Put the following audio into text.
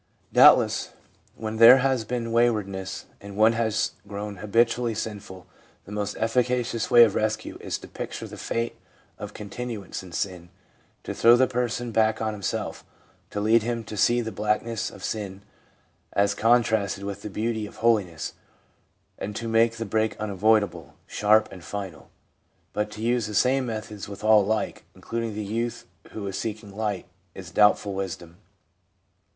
Doubtless, when there has been waywardness, and one has grown habitually sinful, the most efficacious way of rescue is to picture the fate of continuance in sin, to throw the person back on himself, to lead him to see the blackness of sin as contrasted with the beauty of holiness, and to make the break unavoidable, sharp and final ; but to use the same methods with all alike, including the youth who is seeking light, is doubtful wisdom.